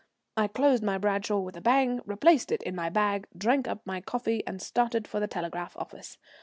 I closed my Bradshaw with a bang, replaced it in my bag, drank up my coffee, and started for the telegraph office.